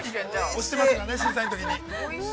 ◆おしてますからね、審査員のときに。